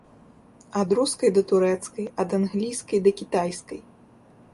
Ад рускай да турэцкай, ад англійскай да кітайскай.